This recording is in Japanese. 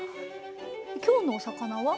今日のお魚は？